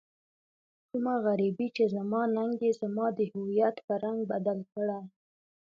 کومه غريبي چې زما ننګ يې زما د هويت په رنګ بدل کړی.